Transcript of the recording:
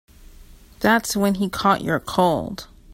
That's when he caught your cold.